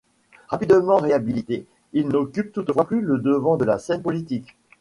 Rapidement réhabilité, il n'occupe toutefois plus le devant de la scène politique.